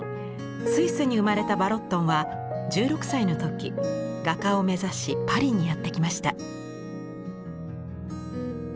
スイスに生まれたヴァロットンは１６歳の時画家を目指しパリにやって来ました。